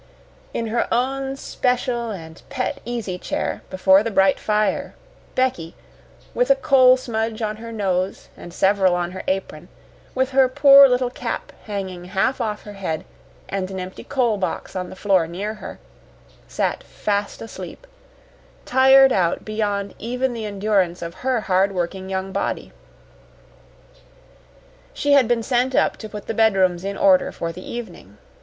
In her own special and pet easy chair before the bright fire, Becky with a coal smudge on her nose and several on her apron, with her poor little cap hanging half off her head, and an empty coal box on the floor near her sat fast asleep, tired out beyond even the endurance of her hard working young body. She had been sent up to put the bedrooms in order for the evening.